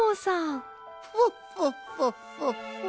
フォッフォッフォッフォッフォッ。